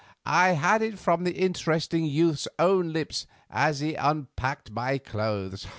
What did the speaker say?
I had it from the interesting youth's own lips as he unpacked my clothes.